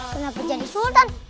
kenapa jadi sultan